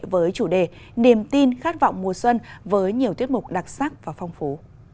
với chủ đề niềm tin khát vọng mùa xuân với nhiều tiết mục đặc sắc và phong phú